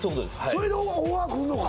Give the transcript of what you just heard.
それでオファー来んのか？